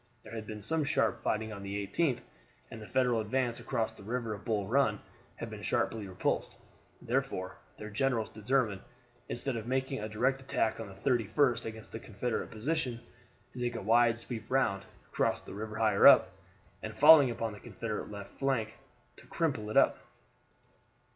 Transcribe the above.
There had been some sharp fighting on the 18th, and the Federal advance across the river of Bull Run had been sharply repulsed; therefore their generals determined, instead of making a direct attack on the 31st against the Confederate position, to take a wide sweep round, cross the river higher up, and falling upon the Confederate left flank, to crumple it up.